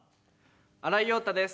新井庸太です。